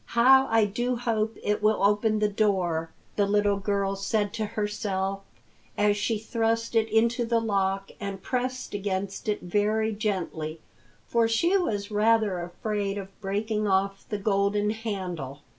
"How I do hope it will open the door!" the little girl said to herself as she thrust it into the lock and pressed against it very gently, for she was rather afraid of breaking off the golden handle.